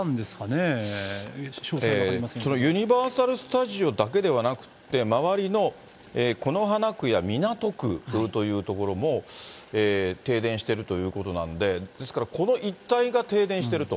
ユニバーサル・スタジオだけではなくて周りの此花区や港区という所も、停電してるということなんで、ですからこの一帯が停電していると。